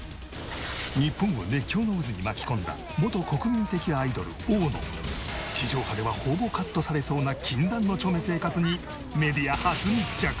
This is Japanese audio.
日本を熱狂の渦に巻き込んだ元国民的アイドルＯの地上波ではほぼカットされそうな禁断のチョメ生活にメディア初密着。